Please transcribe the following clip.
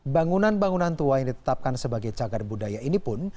bangunan bangunan tua yang ditetapkan sebagai cagar budaya ini pun